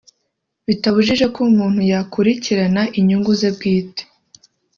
bitabujije ko umuntu yakurikirana inyungu ze bwite